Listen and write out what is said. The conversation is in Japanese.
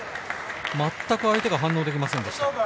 全く相手が反応できませんでした。